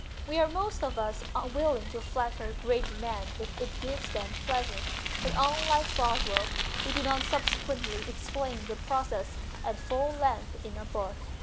We are most of us willing to flatter great men if it gives them pleasure, but, unlike Boswell, we do not subsequently explain the process at full length in a book.